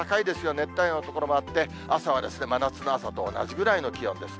熱帯夜の所もあって、朝は真夏の朝と同じぐらいの気温です。